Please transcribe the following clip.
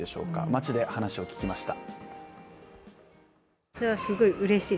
街で話を聞きました。